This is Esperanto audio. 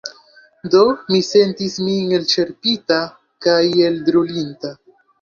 Do mi sentis min elĉerpita kaj elbrulinta.